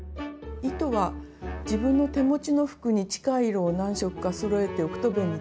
糸は自分の手持ちの服に近い色を何色かそろえておくと便利です。